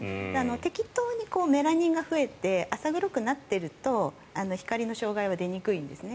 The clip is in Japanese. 適当にメラニンが増えて浅黒くなっていると光の障害は出にくいんですね。